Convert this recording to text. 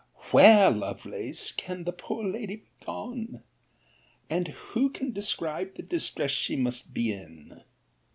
Where, Lovelace, can the poor lady be gone? And who can describe the distress she must be in?